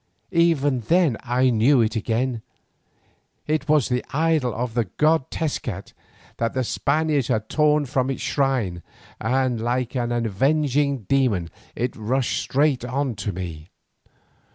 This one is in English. Even then I knew it again; it was the idol of the god Tezcat that the Spaniards had torn from its shrine, and like an avenging demon it rushed straight on to me.